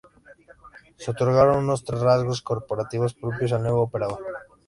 Se otorgaron unos rasgos corporativos propios al nuevo operador.